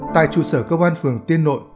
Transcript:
tại trụ sở cơ quan phường tiên nội